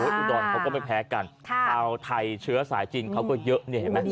อุดรเขาก็ไม่แพ้กันไทยเชื้อสายจินเขาก็เยอะ